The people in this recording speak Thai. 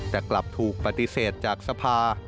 แต่กลับถูกปฏิเสธจากสภา